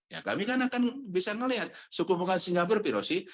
ya kami kan akan bisa melihat sukup hubungan singapura biro sih